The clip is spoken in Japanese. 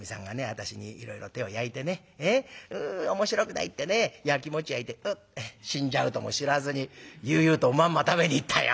私にいろいろ手を焼いてね面白くないってねやきもちやいてううって死んじゃうとも知らずに悠々とおまんま食べに行ったよ。